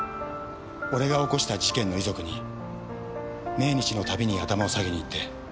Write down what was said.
俺が起こした事件の遺族に命日のたびに頭を下げに行って。